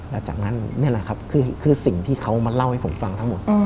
แล้วจากนั้นนี่แหละครับคือสิ่งที่เขามาเล่าให้ผมฟังทั้งหมด